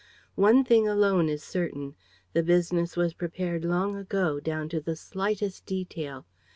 One thing alone is certain: the business was prepared long ago, down to the slightest detail.